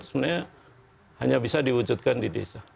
sebenarnya hanya bisa diwujudkan di desa